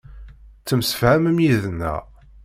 Ttemsefhamen yid-neɣ.